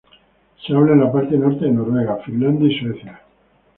Se habla en la parte norte de Noruega, Finlandia y Suecia.